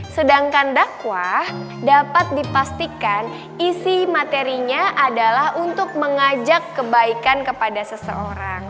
sedangkan dakwah dapat dipastikan isi materinya adalah untuk mengajak kebaikan kepada seseorang